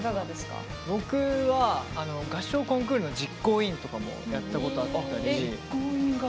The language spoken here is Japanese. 僕は、合唱コンクールの実行委員とかもやっていたことあったり。